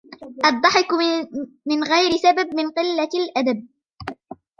الضحك من غير سبب من قلة الأدب.